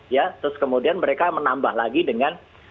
ya terus kemudian mereka menambah lagi dengan